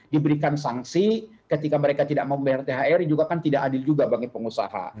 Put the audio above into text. diberikan sanksi ketika mereka tidak membayar thr juga kan tidak adil juga bagi pengusaha